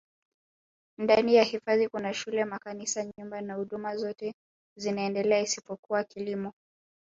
ndani ya hifadhi Kuna shule makanisa nyumba na huduma zote zinaendelea isipokuwa kilimo